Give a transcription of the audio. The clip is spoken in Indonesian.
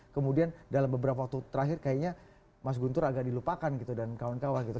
kemudian dalam beberapa waktu terakhir kayaknya mas guntur agak dilupakan gitu dan kawan kawan gitu